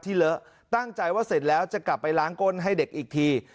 เลอะตั้งใจว่าเสร็จแล้วจะกลับไปล้างก้นให้เด็กอีกที